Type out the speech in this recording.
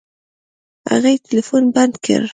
هغې ټلفون بند کړ.